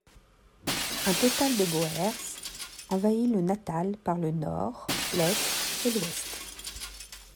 Un total de Boers envahit le Natal par le nord, l'est et l'ouest.